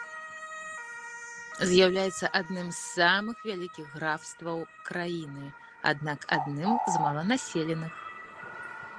З'яўляецца адным з самых вялікіх графстваў краіны, аднак адным з маланаселеных.